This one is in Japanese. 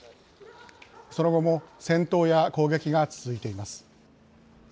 その後も戦闘や攻撃が続いています。